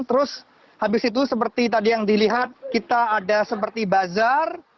terus habis itu seperti tadi yang dilihat kita ada seperti bazar